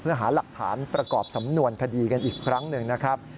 เพื่อหาหลักฐานประกอบสำนวนคดีกันอีกครั้งหนึ่งนะครับ